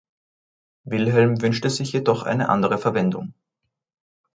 Wilhelm wünschte sich jedoch eine andere Verwendung.